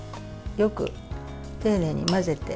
よく丁寧に混ぜて。